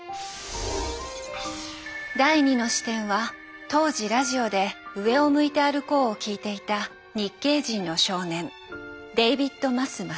第２の視点は当時ラジオで「上を向いて歩こう」を聴いていた日系人の少年デイビッド・マス・マスモト。